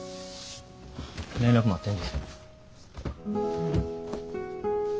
連絡待ってんで。